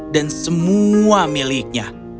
dan semua miliknya